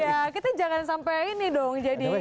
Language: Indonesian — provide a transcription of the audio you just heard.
ya kita jangan sampai ini dong jadi